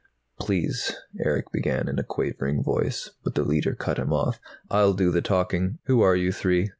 "Please " Erick began in a quavering voice, but the Leiter cut him off. "I'll do the talking. Who are you three?